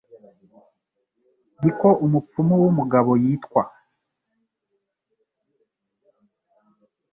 Niko Umupfumu Wumugabo Yitwa